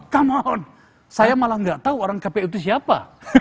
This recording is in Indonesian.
come on saya malah gak tau orang kpi itu siapa